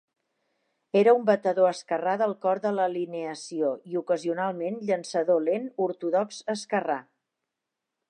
Era un batedor esquerrà del cor de l'alineació i ocasionalment, llançador lent ortodox esquerrà.